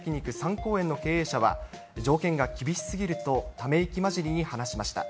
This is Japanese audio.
こう苑の経営者は、条件が厳しすぎると、ため息交じりに話しました。